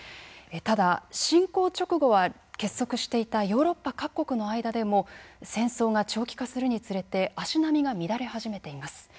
ただ、侵攻直後は結束していたヨーロッパ各国の間でも戦争が長期化するにつれて足並みが乱れ始めています。